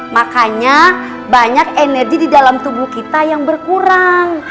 makanya banyak energi didalam tubuh kita yang berkurang